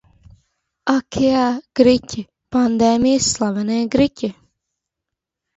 Ak, jā, griķi. Pandēmijas slavenie griķi.